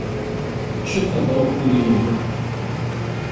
Ččet abrukli-nwen!